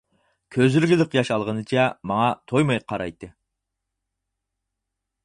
كۆزلىرىگە لىق ياش ئالغىنىچە ماڭا تويماي قارايتتى.